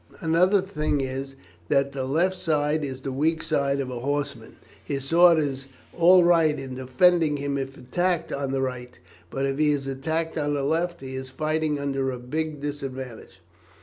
Another thing is, that the left side is the weak side of a horseman. His sword is all right in defending him if attacked on the right, but if he is attacked on the left he is fighting under a big disadvantage.